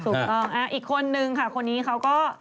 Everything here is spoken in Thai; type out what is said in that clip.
ถูกต้องอีกคนนึงค่ะคนนี้เขาก็